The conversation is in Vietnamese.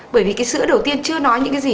bởi vì sữa đầu tiên chưa nói những gì